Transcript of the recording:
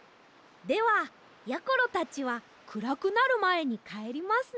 ではやころたちはくらくなるまえにかえりますね。